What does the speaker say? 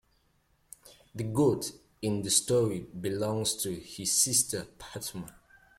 The goat in the story belongs to his sister Pathumma.